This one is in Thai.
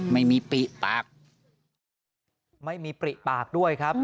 ไม่มีปริปากไม่มีปริปากด้วยครับ